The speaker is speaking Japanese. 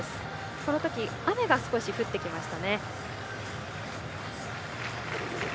このとき雨が少し降ってきました。